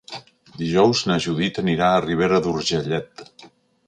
Dijous na Judit anirà a Ribera d'Urgellet.